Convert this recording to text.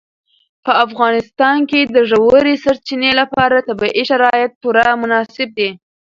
په افغانستان کې د ژورې سرچینې لپاره طبیعي شرایط پوره مناسب دي.